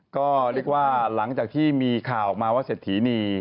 ก็เรียกว่าหลังจากที่มีข่าวออกมาว่าเศรษฐีนี